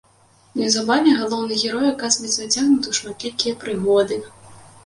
Неўзабаве галоўны герой аказваецца ўцягнуты ў шматлікія прыгоды.